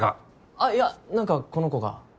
あっいや何かこの子が。